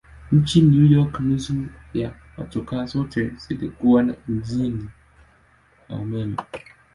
Mjini New York nusu ya motokaa zote zilikuwa na injini ya umeme.